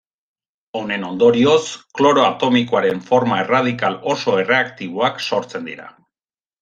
Honen ondorioz, kloro atomikoaren forma erradikal oso erreaktiboak sortzen dira.